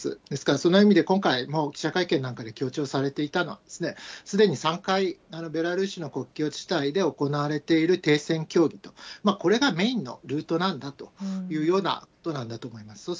ですから、その意味で、今回、記者会見なんかで強調されていたのは、すでに３回、ベラルーシの国境地帯で行われている停戦協議と、これがメインのルートなんだというようなことなんだと思います。